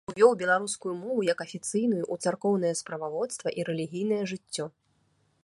Увёў беларускую мову як афіцыйную ў царкоўнае справаводства і рэлігійнае жыццё.